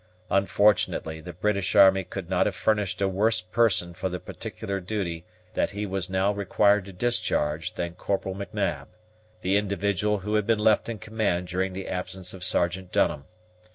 Unfortunately, the British army could not have furnished a worse person for the particular duty that he was now required to discharge than Corporal M'Nab, the individual who had been left in command during the absence of Sergeant Dunham.